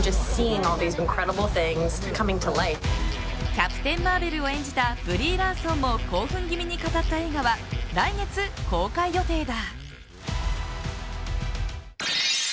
キャプテン・マーベルを演じたブリー・ラーソンも興奮気味に語った映画は来月公開予定だ。